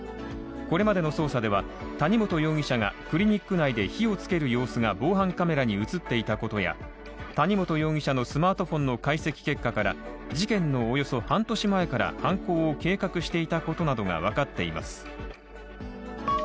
これまでの捜査では谷本容疑者がクリニック内で火をつける様子が防犯カメラに映っていたことや谷本容疑者のスマートフォンの解析結果から事件のおよそ半年前から犯行を計画していたことなどが分かっています。